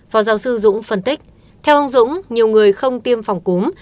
phó giáo sư dũng phân tích theo ông dũng nhiều người không tiêm phòng cúm